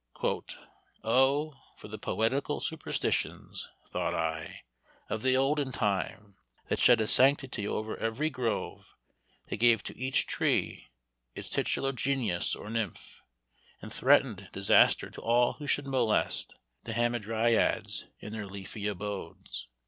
"O for the poetical superstitions," thought I, "of the olden time! that shed a sanctity over every grove; that gave to each tree its tutelar genius or nymph, and threatened disaster to all who should molest the hamadryads in their leafy abodes.